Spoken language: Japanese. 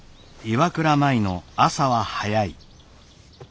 岩倉舞の朝は早い。